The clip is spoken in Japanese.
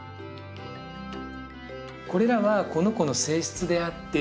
これらはこの子の性質であって。